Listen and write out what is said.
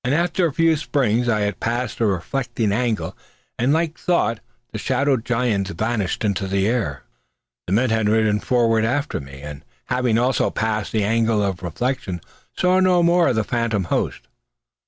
After a few springs I had passed the refracting angle, and, like a thought, the shadowy giants vanished into the air. The men had ridden forward after me, and having also passed the angle of refraction saw no more of the phantom host.